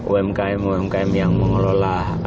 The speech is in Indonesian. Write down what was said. umkm umkm yang mengelola